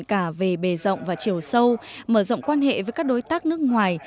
cả về bề rộng và chiều sâu mở rộng quan hệ với các đối tác nước ngoài